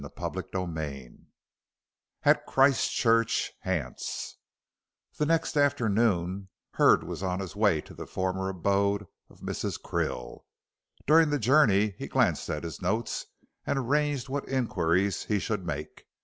CHAPTER XVIII AT CHRISTCHURCH, HANTS The next afternoon Hurd was on his way to the former abode of Mrs. Krill. During the journey he glanced at his notes and arranged what inquiries he should make.